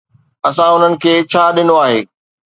اسان انهن کي ڇا ڏنو آهي؟